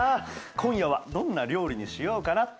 今夜はどんな料理にしようかな。